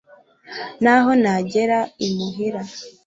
naho nagera i muhira